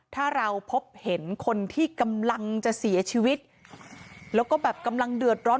ถ้าเราพบเห็นคนที่กำลังจะเสียชีวิตแล้วก็แบบกำลังเดือดร้อน